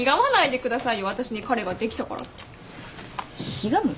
ひがむ？